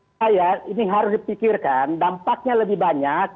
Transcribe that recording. saya ini harus dipikirkan dampaknya lebih banyak